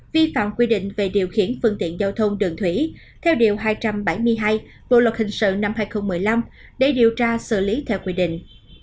vi phạm quy định về điều khiển phương tiện giao thông đường thủy theo điều hai trăm bảy mươi hai bộ luật hình sự năm hai nghìn một mươi năm để điều tra xử lý theo quy định